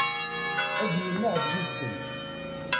Ad yennaɣ d yid-sent.